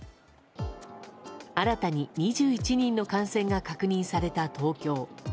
新たに２１人の感染が確認された東京。